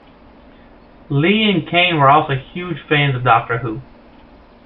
Lee and Kaiine were also huge fans of "Doctor Who".